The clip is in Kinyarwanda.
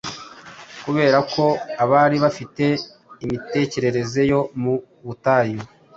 kubera ko bari bafite "imitekerereze yo mu butayu"